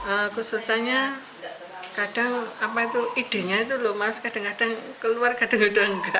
aku sukanya kadang apa itu idenya itu loh mas kadang kadang keluar kadang kadang enggak